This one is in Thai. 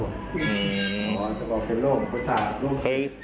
คุณอ๋อสมบัติเป็นโรคคุณศาสตร์